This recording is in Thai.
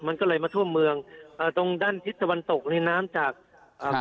มันก็เลยมาท่วมเมืองอ่าตรงด้านทิศตะวันตกนี่น้ำจากอ่า